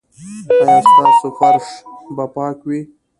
ایا ستاسو فرش به پاک وي؟